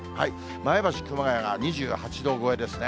前橋、熊谷が２８度超えですね。